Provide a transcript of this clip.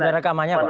ada rekamannya pak